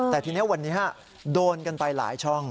แต่ทีนี้วันนี้โดนกันไปหลายช่อง